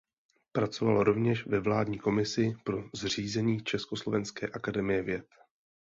Pracoval rovněž ve vládní komisi pro zřízení Československé akademie věd.